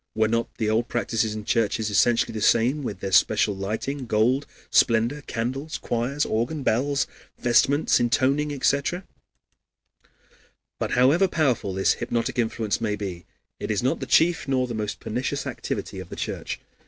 Were not the old practices in churches essentially the same, with their special lighting, gold, splendor, candles, choirs, organ, bells, vestments, intoning, etc.? But however powerful this hypnotic influence may be, it is not the chief nor the most pernicious activity of the Church.